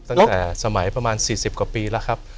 ตั้งแต่สมัยประมาณ๔๐กว่าปีแล้วครับ